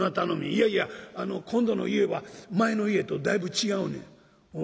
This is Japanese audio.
「いやいや今度の家は前の家とだいぶ違うねん」。